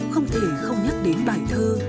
không thể không nhắc đến bài thơ